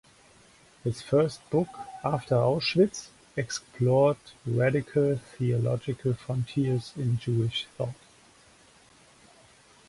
His first book, "After Auschwitz", explored radical theological frontiers in Jewish thought.